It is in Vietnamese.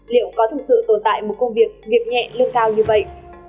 liệu có thực sự tồn tại một công việc việc nhẹ lương cao như vậy